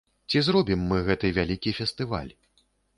Ці зробім мы гэты вялікі фестываль?